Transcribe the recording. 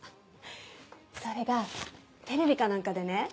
それがテレビか何かでね